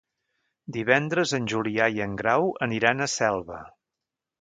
Divendres en Julià i en Grau aniran a Selva.